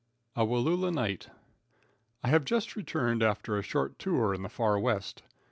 A Wallula Night. I have just returned after a short tour in the far West.